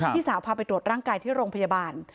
พี่สาวพาไปตรวจร่างกายที่โรงพยาบาล